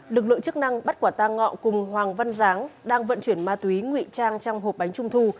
lực lượng chức năng bắt quả tang ngọ cùng hoàng văn giáng đang vận chuyển ma túy ngụy trang trong hộp bánh trung thu